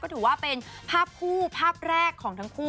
ถือว่าเป็นภาพคู่ภาพแรกของทั้งคู่